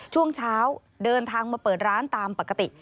ช่วงเช้าเดินทางมาเปิดร้านตามปกติ